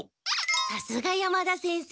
さすが山田先生。